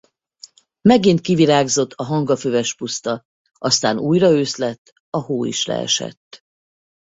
Megint kivirágzott a hangafüves puszta, aztán újra ősz lett, a hó is leesett.